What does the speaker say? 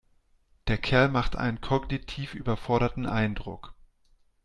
Der Kerl macht einen kognitiv überforderten Eindruck.